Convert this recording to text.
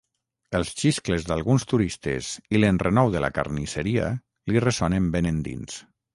Els xiscles d'alguns turistes i l'enrenou de la carnisseria li ressonen ben endins.